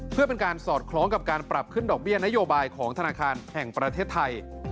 เพื่อเป็นการสอดคล้องกับการปรับขึ้นดอกเบี้ยนโยบายของธนาคารแห่งประเทศไทย